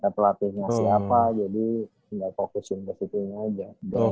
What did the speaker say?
set latihnya siapa jadi tinggal fokusin ke situ aja